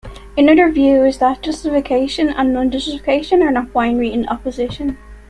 Another view is that justification and non-justification are not in binary opposition.